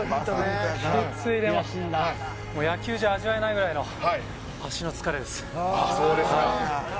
野球じゃ味わえないくらいの足の疲れです。